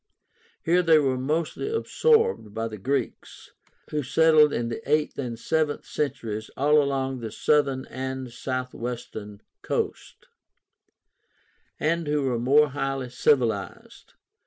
Here they were mostly absorbed by the Greeks, who settled in the eighth and seventh centuries all along the southern and southwestern coast, and who were more highly civilized.